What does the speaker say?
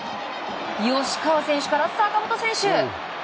吉川選手から坂本選手。